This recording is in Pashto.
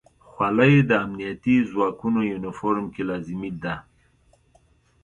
خولۍ د امنیتي ځواکونو یونیفورم کې لازمي ده.